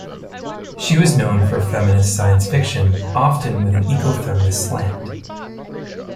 She was known for feminist science fiction, often with an ecofeminist slant.